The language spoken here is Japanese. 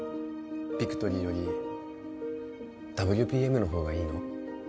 ビクトリーよりＷＰＭの方がいいの？